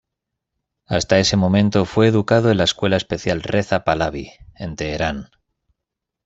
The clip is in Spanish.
Hasta ese momento, fue educado en la Escuela Especial Reza Pahlaví, en Teherán.